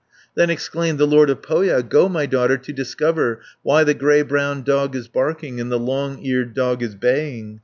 Then exclaimed the Lord of Pohja, "Go, my daughter, to discover Why the grey brown dog is barking, And the long eared dog is baying."